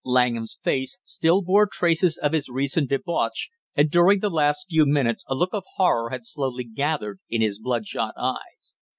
Langham's face still bore traces of his recent debauch, and during the last few minutes a look of horror had slowly gathered in his bloodshot eyes.